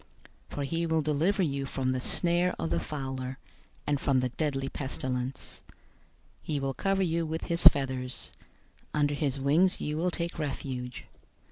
091:003 For he will deliver you from the snare of the fowler, and from the deadly pestilence. 091:004 He will cover you with his feathers. Under his wings you will take refuge.